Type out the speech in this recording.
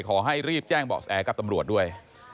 ขอให้รีบแจ้งเบาะแสกับตำรวจด้วย